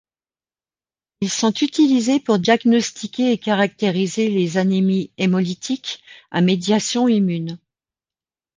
Ils sont utilisés pour diagnostiquer et caractériser les anémies hémolytiques à médiation immune.